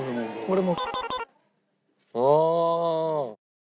俺も。